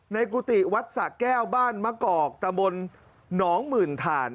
กุฏิวัดสะแก้วบ้านมะกอกตะบนหนองหมื่นถ่าน